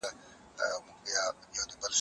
ډاکټران د ټېکنالوژۍ په مرسته دقیق تصمیم نیسي.